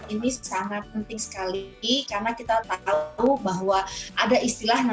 ini sangat penting sekali karena kita tahu bahwa ada istilahnya